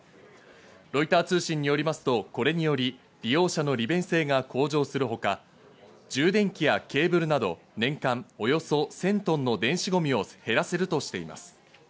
ロイター通信によりますと、これにより利用者の利便性が向上するほか、充電器やケーブルなど年間およそ１０００トンの電子ゴミを減らせるとしています。